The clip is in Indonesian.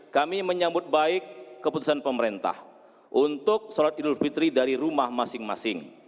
kami menyambut baik keputusan pemerintah untuk sholat idul fitri dari rumah masing masing